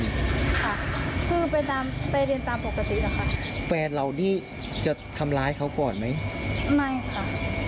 ค่ะคือไปตามไปเรียนตามปกติอะค่ะแฟนเรานี่จะทำร้ายเขาก่อนไหมไม่ค่ะ